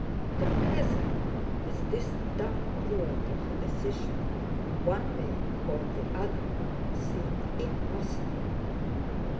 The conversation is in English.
The present with this dark cruelty of a decision, one way or the other, seemed impossible.